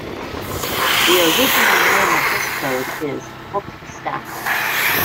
The original name of this code is "book stack".